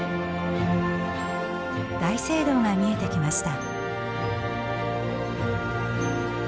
大聖堂が見えてきました。